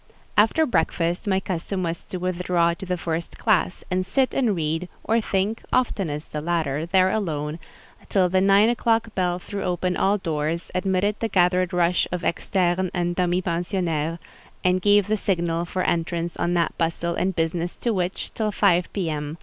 After breakfast my custom was to withdraw to the first classe, and sit and read, or think (oftenest the latter) there alone, till the nine o'clock bell threw open all doors, admitted the gathered rush of externes and demi pensionnaires, and gave the signal for entrance on that bustle and business to which, till five P.M.